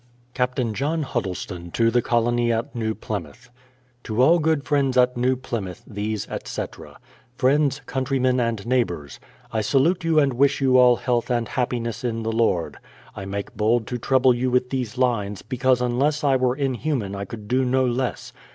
Captain Jolm Huddleston to the Colony at New Plymouth: To all good friends at New PljTnouth, these, etc., Friends, Countrymen, and Neighbours, I salute you and wish you all health and happiness in the Lord. I make bold to trouble you with these lines, because unless I were inhuman I could do no less.